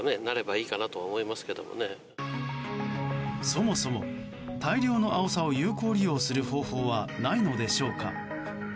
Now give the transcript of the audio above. そもそも、大量のアオサを有効利用する方法はないのでしょうか？